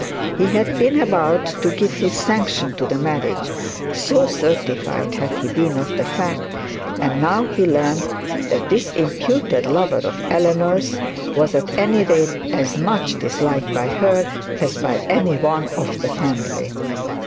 He had been about to give his sanction to the marriage, so certified had he been of this fact; and now he learnt that this imputed lover of Eleanor's was at any rage as much disliked by her as by any one of the family.